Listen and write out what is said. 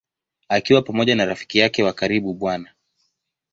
Akiwa pamoja na rafiki yake wa karibu Bw.